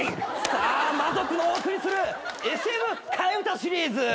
さあ魔族のお送りするＳＭ替え歌シリーズ。